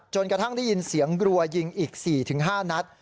กระทั่งได้ยินเสียงรัวยิงอีก๔๕นัด